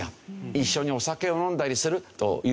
一緒にお酒を飲んだりするという事によって。